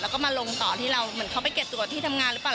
แล้วก็มาลงต่อที่เราเหมือนเขาไปเก็บตัวที่ทำงานหรือเปล่า